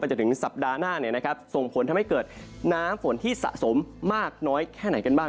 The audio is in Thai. จนถึงสัปดาห์หน้าส่งผลทำให้เกิดน้ำฝนที่สะสมมากน้อยแค่ไหนกันบ้าง